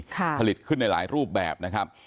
ผลิตขึ้นในหลายรูปแบบนะครับ